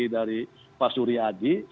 dari pak suriadi